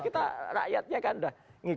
kita rakyatnya kan sudah ngikutin